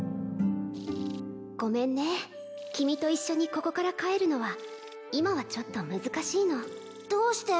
ごめんね君と一緒にここから帰るのは今はちょっと難しいのどうして？